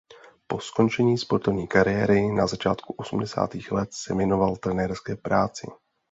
Po skončení sportovní kariéry na začátku osmdesátých let se věnoval trenérské práci.